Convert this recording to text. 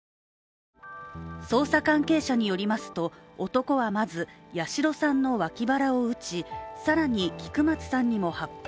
捜査関係者によりますと男はまず、八代さんの脇腹を撃ち、更に、菊松さんにも発砲。